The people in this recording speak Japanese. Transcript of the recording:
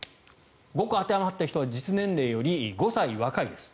５個当てはまっている人は実年齢より５歳若いです。